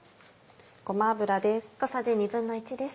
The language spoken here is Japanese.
ごま油です。